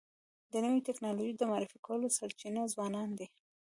د نوې ټکنالوژی د معرفي کولو سرچینه ځوانان دي.